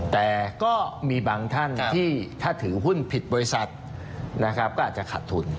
แต่ก็มีบางท่านที่ถ้าถือหุ้นผิดบริษัทนะครับก็อาจจะขาดทุน